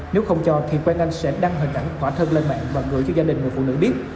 nếu không cho thì quen anh sẽ đăng hình ảnh quả thân lên mạng và gửi cho gia đình người phụ nữ biết